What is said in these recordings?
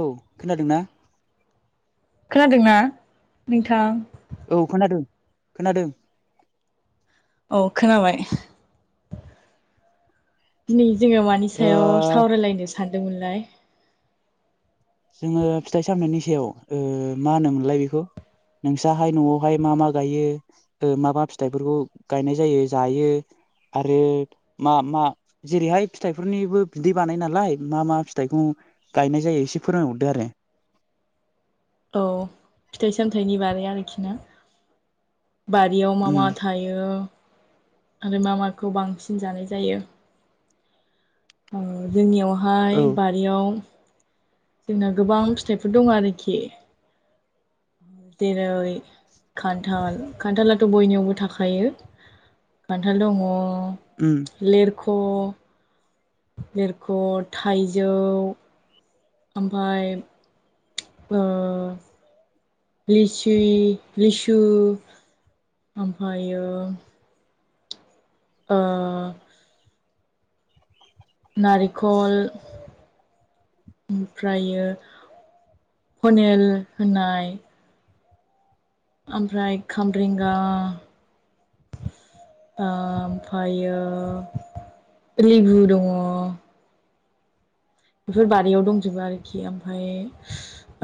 औ खोनादों ना खोनादोंना नोंथां औ खोनादों खोनादों औ खोनाबाय दिनै जोङो मानि ओ सायाव सावरायलायनो सानदोंमोनलाय जोङो फिथाइ सामथाइनि सायाव मा होनोमोनलाय बेखौ नोंसाहाय न'आवहाय मा मा गायो मा मा फिथाइफोरखौ गायनाय जायो जायो आरो मा मा जेरैहाय फिथाइफोरनिबो बिदै बानाय नालाय मा मा फिथाइखौ गायनाय जायो एसे फोरोंहरदो आरो औ फिथाइ सामथाइनि बारै आरोखि ना बारियाव मा उम मा थायो आरो मा माखौ बांसिन जानाय जायो अ औ जोंनियावहाय बारियाव जोंना गोबां फिथाइफोर दङ आरोखि जेरै खान्थाल खान्थालाथ' बयनियावबो थाखायो खान्थाल दङ उम लेरख' लेरख' थाइजौ ओमफाय ओ लिसि लिसु ओमफायो ओ नारिखल ओमफ्रायो पनेल होनाय ओमफ्राय खामरेंगा ओमफायो लेबु दङ बेफोर बारियाव दंजोबो आरोखि ओमफाय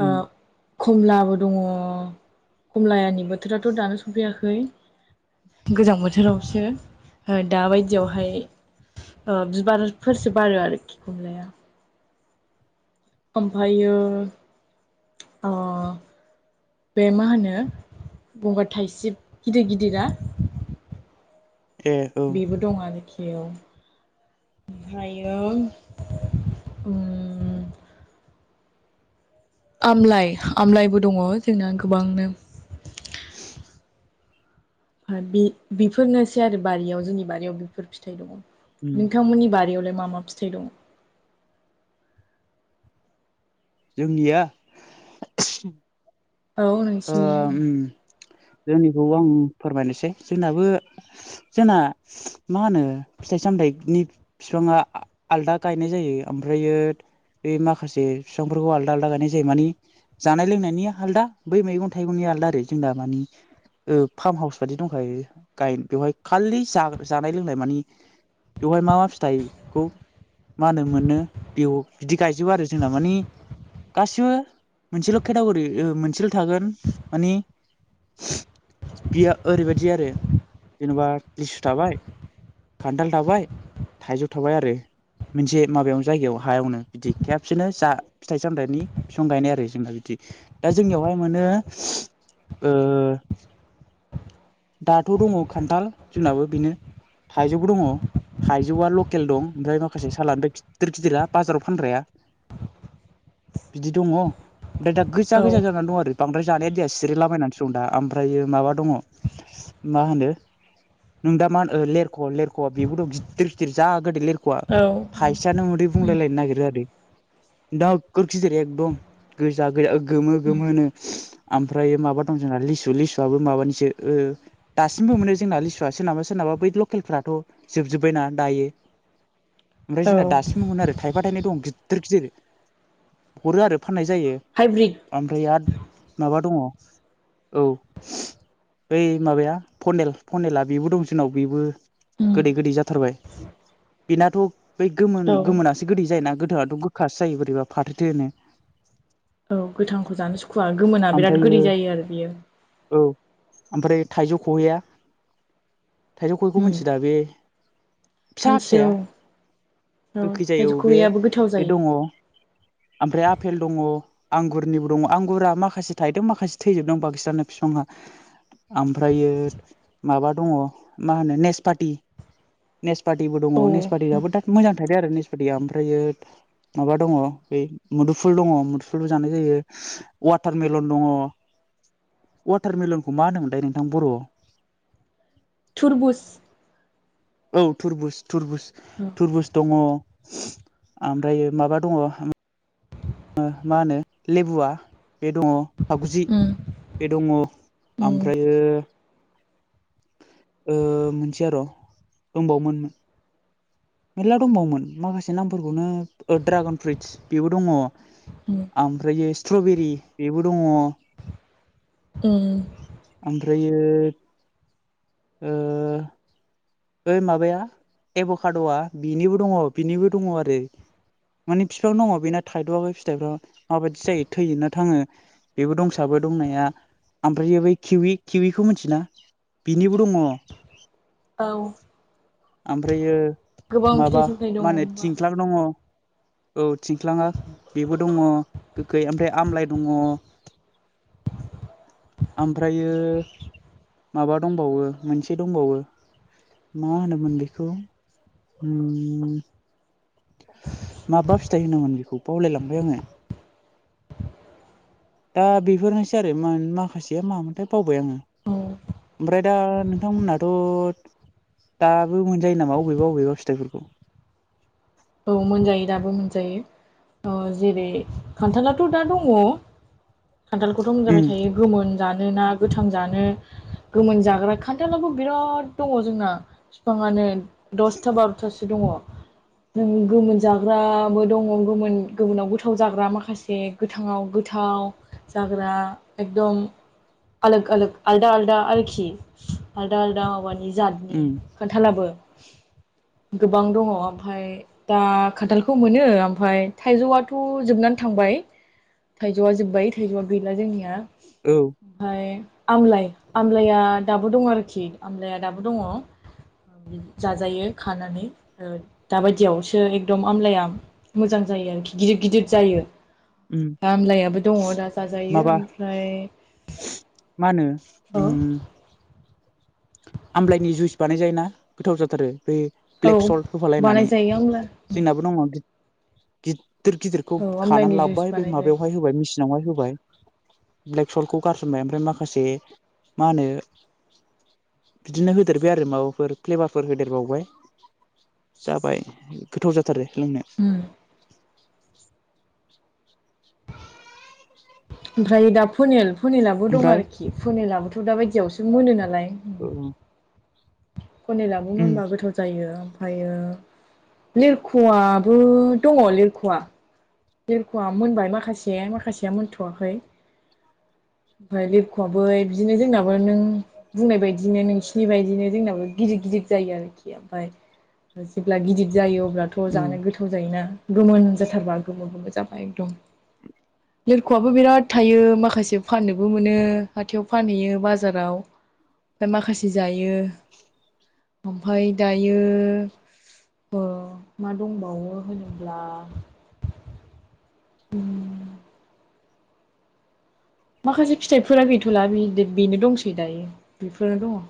आ उम कमलाबो दङ खमलनि बोथोराथ' दानो सफैयाखै गोजां बोथोरावसो दाबायदियावहाय ओ बिबारफोरसो बारो आरोखि कमलाया ओमफायो अ बे मा होनो गंगार थाइसिब गिदिर गिदिरा ए औ बेबो दं आरोखि ओमफायो आमलाइ आमलाइबो दङ जोंना गोबांनो बे बेफोरनोसै आरो बारियाव जोंनि बारियाव बेफोर फिथाइ दङ उम नोंथांमोननि बारियावलाय मा मा फिथाइ दं जोंनिया औ ओ नोंसिनियाव उम जोंनिखौ आं फोरमायनोसै जोंनाबो जोंना मा होनो फिथाइ सामथाइनि बिफाङा आलदा गायनाय जायो ओमफ्रायो बे माखासे बिफांफोरखौ आलदा आलादा गायनाय जायो मानि जानाय लोंनायनि आलदा बै मैगं थाइगंनि आलदा आरो जों दा मानि फार्म हाउस बायदि दंखायो गायन बेवहाय खालि जानाय लोंनाय मानि बेवहाय मा मा फिथाइखौ मा होनो मोनो बेयाव बिदि गायजोबो आरो जोंना मानि गासिबो मोनसेल' केटागरि मोनसेल' थागोन मानि बियो ओरैबायदि आरो जेनेबा लिसु थाबाय खान्थाल थाबाय थाइजौ थाबाय आरो मोनसे माबायावनो जायगायाव हायावनो बिदि खेबसेनो जा फिथाइ सामथाइनि बिफां गायनाय आरो जोंहा बिदि दा जोंनियावहाय मोनो ओ दाथ' दङ खान्थाल जोंनाबो बेनो थाइजौबो दङ थाइजौआ लकेल दं ओमफ्राय माखासे सालनिफ्राय गिदिर गिदिरा बाजाराव फानग्राया बिदि दङ ओमफ्राय दा गोजा औ गोजा जानानै दं आरो बांद्राय जानाया देया सिरिलाबायायनानैसो दं दा ओमफ्रायो माबा दङ मा होनो नों दा मा होन लेरख' लेरखा बेबोथ' गिदिर गिदिर जा गोदै लिरखा औ थाइसेआानो मोदै बुंलायलायनो नागिरो आरो [unintelligible] एकदम गोजा गोजा गोमो गोमो ओमफ्राय माबा दं जोंना लिसु लिसुआबो माबानिसो दासिमबो मोनो जोंना लिसुआ सोरनाबा सोरनाबा बै लकेलफ्राथ' जोबजोब्बायना दायो ओमफ्राय औ जोंना दासिमबोमोन आरो थाइफा थाइनै दं गिदिर गिदिर हरो आरो फाननाय जायो हायब्रिद ओमफ्राय आरो माबा दङ औ बै माबाया पनेल पनेला बेबो दं जोंनाव बेबो उम गोदै गोदै जाथारबाय बेनाथ' बै औ गोमोन गोमोनासो गोदै जाय ना गोदोआथ' गोखासो जायो बोरैबा फाथो थोनो औ गोथांखौ जानो सुखुवआ गोमोना बिराद ओमफ्रायो गोोरदै जायो आरो बियो औ ओमफ्राय थाइजौ खहैया थाइजौ खहेखौ उम मिथि दा बे फिसा मिथियो फिसाया औ गोखै जायो थाइजौ बे खैयाबो गोथाव बे जायो दङ आमफ्राय आफेल दङ आंगुरनिबो दङ आंगुर गुरा माखासे थायदों माखासे थैजोबदोंं बांसिनानो बिफाङा ओमफ्रायो माबा दङ मा होनो नेसपात नेसपातिबो दङ औ नेसपातथियाबो दा मोजां थादो आरो नेसपातिया ओमफ्रायो माबा दङ बे मुदुफुल दङ मुदुफुलबो जानाय जायो वाटारमेलन दङ अवाटारमिलनखौ मा होनोमोनलाय नोंथां बर'आव थुरबुस औ थुरबुज थुरबुज [inaudible] तुरबुज दङ आमफ्रायो माबा दङ मा होनो लेबुआ बे दङ फागजि बे दङ उम ओमफ्रायो मोनसेआ र' दंबावोमोन मेर्ला दंबावोमोन माखासे नामफोरखौनो ड्रागन फ्रुइटस बेबो दङ उम ओमफ्रायो स्ट्रबेरि बेबो दङ उम ओमफ्रायो ओ ओ माबाया एब'काद'आ बिनिबो दङ बिनिबो दङ आरो माने बिफां दङ बेना थाइथआखै फिथाइफ माबाददि जायो थैयो ना थाङो बेबो दंसाबो दंनाया ओमफ्राय बै खिउव खिविखौ मिथिना बिनिबो दङ औ ओमफ्रायो गोबां फिथाइ माबा सामथाइ दङ मा होनो होमबा थिंख्लां दङ औ थिंख्लाङा बेबो दङ गोखै ओमफ्राय आमलाइ दङ [inaudible] ओमफ्रायो माबा दंबावो मोनसे दंबावो मा होनोमोन बेखौ उम माबा फिथाइ होनोमोन बेखौ बावलायलांबाय आङो दा बेफोरनोसै आरो माखासेया मामोनथाय बावबाय आङो ओमफ्राय दा नोंथांमोनहाथ' दाबो मोनजायो नामा बबेबा बबेबा फिथाइफोरखौ औ मोनजायो दाबो मोनजायो जेरै खान्थालाथ' दा दङ खान्थालखौथ' मोनजाबाय उम थायो गोमोन जानो ना गोथां जानो गोमोन जाग्रा खान्थालाबो बिराद दङ जोंना बिफाङानो दसथा बार'थासो दङ नों गोमोन जाग्राबो दङ गोमोन गोमोनाव गोथाव जाग्रा माखासे गोथाङाव गोथाव जाग्रा एकदम आलग आलग आलदा आलदा आरोखि आलदा आलदा माबानि जा उम खान्थालाबो गोबां दङ ओमफ्राय दा खान्थालाखौ मोनो ओमफ्राय थाइजौआथ' जोबनानै थांबाय थाइजौआ जोब्बाय थाइजौआ गैला जोंनिया औ ओमफ्राय आमलाइ आमलाया दाबो दङ आरोखि आमलाया दाबो दङ जाजायो खानानै दा बायदियाव सो एकदम आमलाया मोजां जायो आरोखि गिदिर गिदिर जायो उम खामलायाबो दङ दा जाजायो माबा ओमफ्राय मा होनो औ ओम आमलायनि जुइस बानाय जाय ना गोथाव जाथारो बे औ ब्लेक सल्ट होफालायनानै बानायजायो आमला जोंनाबो दङ गिदिर गिदिरखौ औ आमलाइनि खानानै जुइस लाबोबाय बे बानाय जायो माबायावहाय होबाय मिसि नावहाय होबाय ब्लेक सल्टखौ गारसनबाय ओमफ्राय माखासे मा होनो बिदिनो होदेरबाय आरो माबाफोर फ्लेभारफोर होदेरबावबाय जाबाय गोथाव जाथारो लोंनो ओम ओमफ्राय दा फुनिल फुनिलाबो दं ओमफ्राय आरोखि फुनिलाबोथ' दा बायदियावसो मोनो नालाय औ फनिलाबो मोनबा गोथाव जायो ओमफ्रायो लेरख'आबो दङ लेरख'आ लेरख'आ मोनबाय माखासे माखासेया मोनथ'वाखै ओमफ्राय लिबक'आबो बिदिनो जोंनाबो नों बुंनाय बायदिनो नोंसिनि बायदिनो जोंनाबो गिदिर गिदिर जायो आरोखि ओमफ्राय जेब्ला गिदिर जायो अब्लाथ' थ' जानो गोथाव जायोना गोमोन जाथारबा गोमो गोमो जाबाय एकदम लोरख'आबो बिराद थायो माखासे फाननोबो मोनो हाथायाव फानहैयो बाजाराव ओमफ्राय माखासे जायो ओमफ्राय दायो ओ मा दंबावो होनोब्ला माखासे फिथाइफोरा गैथ'ला बेनो दंसै दायो बेफोरनो दङ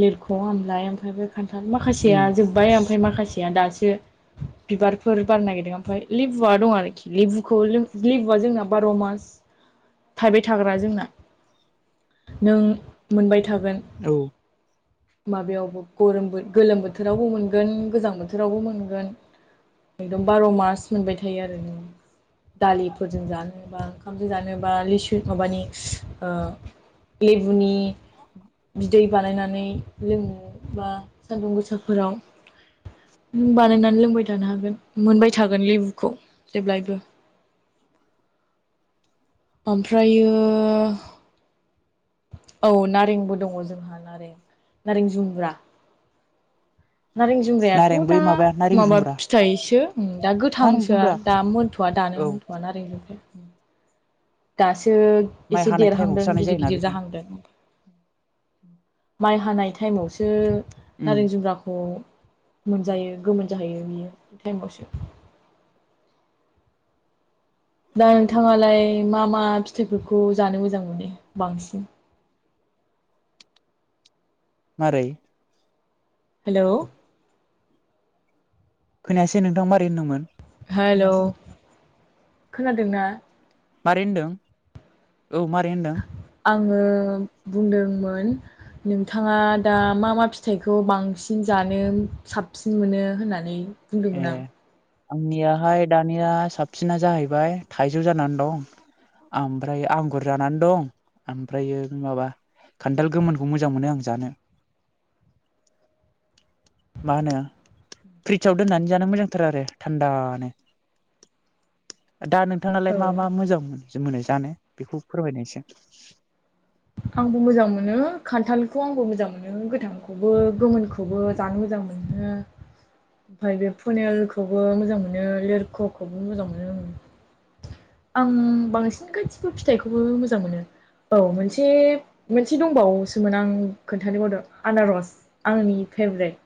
लिरख' आमलााय ओमफ्राय बे खान्थाल उम माखासेया जोब्बाय ओमफ्राय माखासेया दासो बिबारफोर बारनो नागिरदों ओमफ्राय लेबुआ दं आरोखि लेबुखौ लेबुआ जोंना बार' मा थायबाय थाग्रा जोंना नों मोनबाय थागोन औ माबायावबो गरम गोलोम बोथोरावबो मोनगोन गोजां बोथोरावबो मोनगोन एकदम बार' मास मोनबाय थायो आरो नों दालिफोरजों जानोबा ओंखामजों जानोबा लिसु माबानि लेबुनि बिदै बानायनानै लोङो बा सान्दुं गोसाफोराव नों बानायनानै लोंबाय थानो हागोन मोनबाय थागोन लेबुखौ जेब्लायबो ओमफ्रायो औ नारेंबो दङ जोंहा नारें नारें जुमब्रा नारें जुमब्रायाथ' नारें बै दा माबाया नारें माबा जुमब्रा फिथाइसो दा नारें गोथांसोआ जुमब्रा दा मोनथ'वा दानो औ मोनथ'आ नारें जुमब्राया दासो माइ एसे हानाय टाइमावसो देरहांदों जानाय गिदिर जायोना गिदिर बेखौ जाहांदों माइ हानाय टाइमावसो उम नारें जुमब्राखौ मोनजायो गोमोन जाहैयो बियो टाइमावसो। दा नोंथाङालाय मा मा फिथाइफोरखौ जानो मोजां मोनो बांसिन? मारै? हेल'। खोनायासै नोंथां मारै होन्दोंमोन? हेल' खोनादोंना? मारै होनदों औ मारै होनदों? आङो बुंदोंमोन नोंथाङा दा मा मा फिथाइखौ बांसिन जानो साबसिन मोनो होननानै ए बुंदोंमोन आं। आंनियाहाय दानिया साबसिना जाहैबाय थाइजौ जानानै दं। ओमफ्राय आंगुर जानानै दं ओमफ्रायो माबा खान्थाल गोमोनखौ मोजां मोनो आं जानो। [inaudible] मा होनो साव दोननानै जानो मोजांथार आरो थान्दानो। दा नोंथाङालाय औ मा मा मोजां मोन मोनो जानो बेखौ फोरमायदो इसे। आंबो मोजां मोनो खान्थालखौ आंबो मोजां मोनो गोथांखौबो गोमोनखौबो जानो मोजां मोनो। ओमफ्राय बे फुनेलखौबो मोजां मोनो लेरख'खौबो मोजां मोनो आङो। आं बांसिन गासिबो फिथाइखौबो मोजां मोनो औ मोनसे एसे मोनसे दंबावोसोमोन आं खोन्थानोबावदों आनारस आंनि फेभरेट।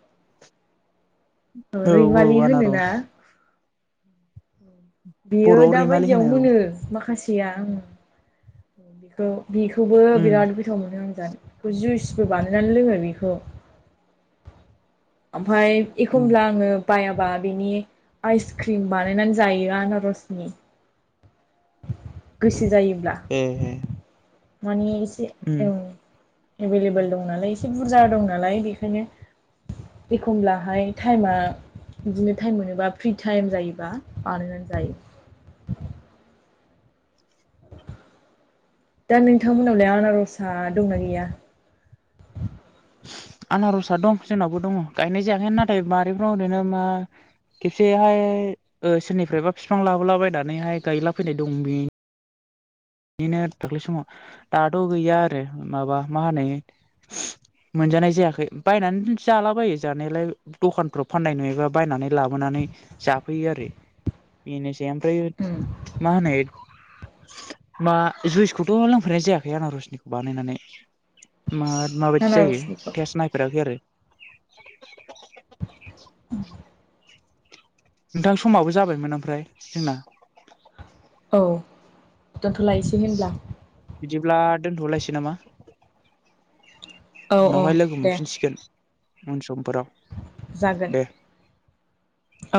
औ रैमालि होनोना बियो बर'आव दा रैमालि बायदियाव होनो औ मोनो माखासेया आं बिखौ बेखौबो उम बिराद गोथाव मोनो आं द बे जुइसबो बानायनानै लोङो बेखौ। ओमफाय उम एखमब्ला आङो बायाबा बिनि आइसक्रिम बानायनानै जायो आनारसनि गोसो जायोब्ला ए ए। मानि एसे औ। एभेलेबोल दं नालाय एसे बुरजा दं नालाय बेखायनो एखमब्लाहाय टाइमा बिदिनो टाइम मोनोबा फ्रि टाइम जायोबा बानायनानै जायो। दा नोंथांमोनावलाय आनारसा दंना गैया? आनारसआ दं जोंनावबो दङ' गायनाय जायाखै नाथाय मारिफ्राव ओरैनो मा खेबसेहाय ओ सोरनिफ्रायबा बिफां लाबोलाबायनानैहाय गायला फैनाय दं बे बिदिनो दाख्लै समाव दाथ' गैया आरो माबा मा होनो [inaudible] मोनजानाय जायाखै बायनानै जालाबायो जानायलाय दखानफ्राव फाननाय नुयोबा बायनानै लाबोनानै जाफैयो आरो। बेनिसै ओमफ्राय उम मा होनो मा जुइसखौथ' लोंफैनाय जायाखै आनारसनिखौ बानायनानै। मा माबायदि जायो आनारसनिखौ टेस्ट नायफेराखै आरो। नोंथां समाबो जाबायमोन ओमफ्राय जोंना। औ दोनथ'लायसै होनब्ला। बिदिब्ला दोनथ'लायसै नामा? औ औ उनावहाय लोगो दे मोनफिनसिगोन। उन समफोराव। जागोन दे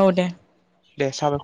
औ दे। दे साबायखर।